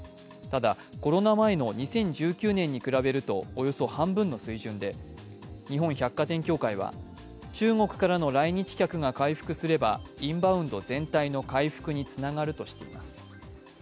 ただ、コロナ前の２０１９年に比べるとおよそ半分の水準で日本百貨店協会は、中国からの来日客が回復すれば、インバウンド全体の回復につながるとしています。